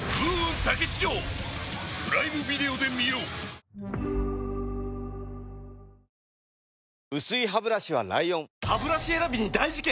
北朝鮮のミサイルと薄いハブラシは ＬＩＯＮハブラシ選びに大事件！